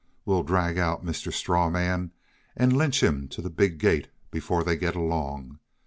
We'll drag out Mr. Strawman, and lynch him to the big gate before they get along.